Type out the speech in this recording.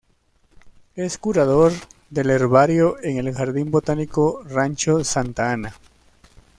Es curador del Herbario en el Jardín Botánico Rancho Santa Ana.